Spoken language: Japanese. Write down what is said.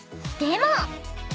でも］